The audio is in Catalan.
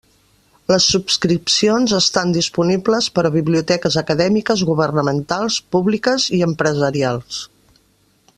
Les subscripcions estan disponibles per a biblioteques acadèmiques, governamentals, públiques i empresarials.